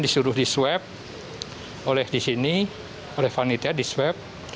disuruh di swab oleh di sini oleh panitia di swab